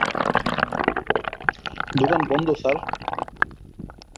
দোকান বন্ধ, স্যার।